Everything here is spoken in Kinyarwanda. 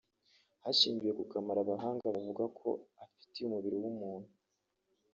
hashingiwe ku kamaro abahanga bavuga ko afitiye umubiri w’umuntu